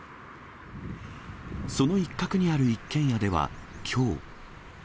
その一角にある一軒家では、きょう。